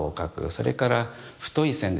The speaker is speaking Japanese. それから太い線でですね